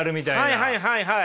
はいはいはいはい。